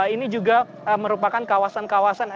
ini juga merupakan kawasan kawasan